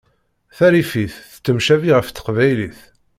Tarifit tettemcabi ɣer teqbaylit.